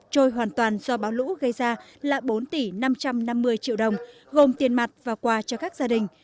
trôi hoàn toàn do bão lũ gây ra là bốn tỷ năm trăm năm mươi triệu đồng gồm tiền mặt và quà cho các gia đình